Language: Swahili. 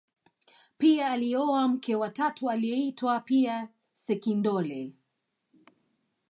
pia alioa mke wa tatu aliyeitwa pia sekindole